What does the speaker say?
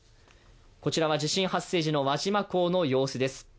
こちらは地震発生時の輪島港の映像です。